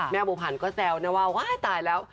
บัวผันก็แซวนะว่าว้ายตายแล้ว